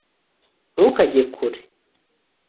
ntukajye kure